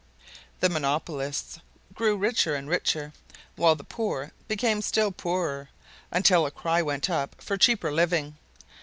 The monopolists grew richer and richer, while the poor became still poorer, until a cry went up for cheaper living.